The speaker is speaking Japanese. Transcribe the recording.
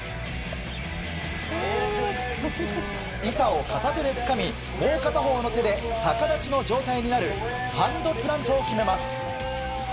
板を片手でつかみもう片方の手で逆立ちの状態になるハンドプラントを決めます。